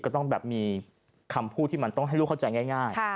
ก็ต้องแบบมีคำพูดที่มันต้องให้ลูกเข้าใจง่าย